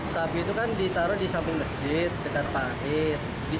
sapi itu kan ditaruh di samping masjid dekat pahit